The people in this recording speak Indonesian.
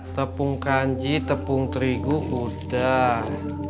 tepung kanji tepung terigu udang